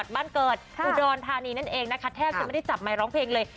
บ้านเกิดอุดรธานีนั่นเองนะคะแทบจะไม่ได้จับไมค์ร้องเพลงเลย